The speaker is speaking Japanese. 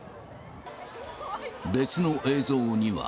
別の映像には。